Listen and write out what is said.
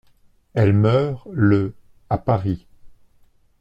Elle meurt le à Paris.